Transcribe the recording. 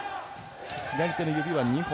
左手の指は２本。